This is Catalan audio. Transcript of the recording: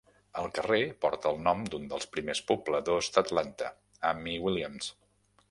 El carrer porta el nom d'un dels primers pobladors d'Atlanta, Ammi Williams.